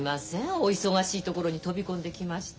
お忙しいところに飛び込んできまして。